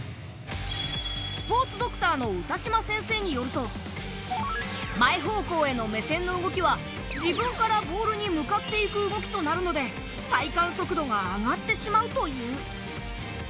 スポーツドクターの歌島先生によると、前方向への目線の動きは自分からボールに向かって動くとなるので、体感速度が上がってしまうという。